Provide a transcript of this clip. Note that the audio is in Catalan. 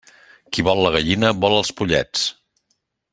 Qui vol la gallina, vol els pollets.